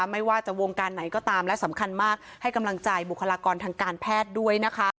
ไม่ว่าจะวงการไหนก็ตามและสำคัญมากให้กำลังใจบุคลากรทางการแพทย์ด้วยนะคะ